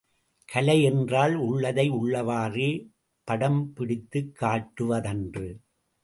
கலை என்றால் உள்ளதை உள்ளவாறே படம் பிடித்துக் காட்டுவதன்று.